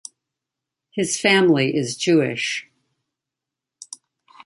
His family is Jewish.